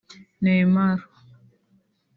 Neymar